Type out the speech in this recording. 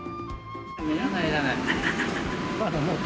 いらない、いらない。